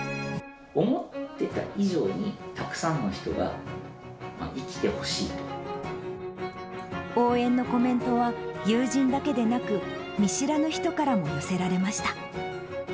思っていた以上に、応援のコメントは、友人だけでなく、見知らぬ人からも寄せられました。